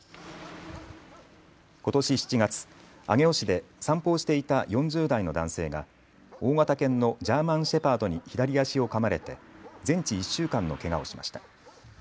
ことし７月、上尾市で散歩をしていた４０代の男性が大型犬のジャーマン・シェパードに左足をかまれて全治１週間のけがをしました。